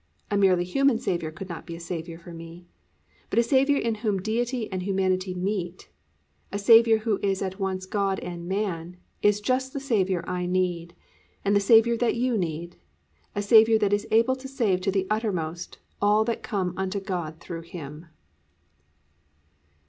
A merely human Saviour could not be a Saviour for me. But a Saviour in whom Deity and humanity meet; a Saviour who is at once God and man, is just the Saviour I need, and the Saviour that you need, a Saviour that is able to save to the uttermost all that come unto God through Him.